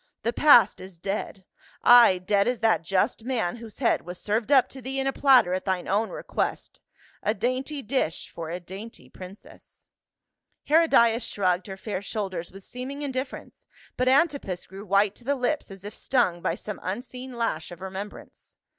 The past is dead — Ay, dead as that just man whose head was served up to thee in a platter at thine own request, a dainty dish for a dainty princess." Herodias shrugged her fair shoulders with seeming indifference, but Antipas grew white to the lips as if stung by some unseen lash of remembrance.